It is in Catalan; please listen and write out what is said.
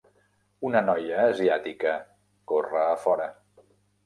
Una noia asiàtica corre a fora.